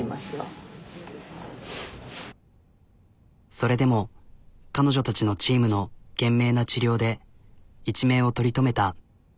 それでも彼女たちのチームの懸命な治療で一命を取り留めた。